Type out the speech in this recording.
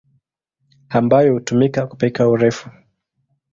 ambayo hutumika kupika urefu.